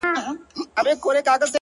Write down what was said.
لاس زما مه نيسه چي اور وانـــخــلـې!